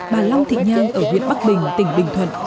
bà long thị nhan ở huyện bắc bình tỉnh bình thuận